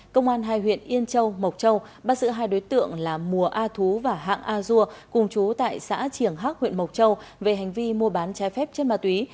công an hai huyện yên châu mộc châu bắt giữ hai đối tượng là mùa a thú và hạng a dua cùng chú tại xã triển hác huyện mộc châu về hành vi mua bán trái phép chất ma túy